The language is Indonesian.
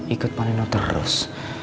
ikut panino terus